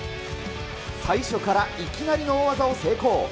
最初からいきなりの大技を成功。